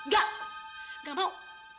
gak gak mau